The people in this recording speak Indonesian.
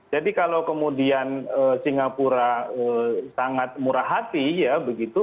jadi kalau kemudian singapura sangat murah hati ya begitu